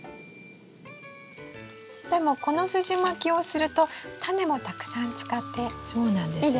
でもこのすじまきをするとタネもたくさん使っていいですね。